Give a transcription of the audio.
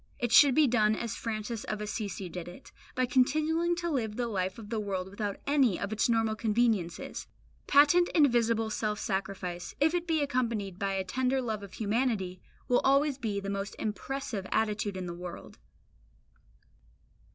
It should be done as Francis of Assisi did it, by continuing to live the life of the world without any of its normal conveniences. Patent and visible self sacrifice, if it be accompanied by a tender love of humanity, will always be the most impressive attitude in the world.